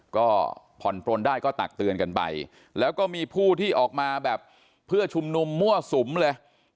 ก็ผ่อนปลนได้ก็ตักเตือนกันไปแล้วก็มีผู้ที่ออกมาแบบเพื่อชุมนุมมั่วสุมเลย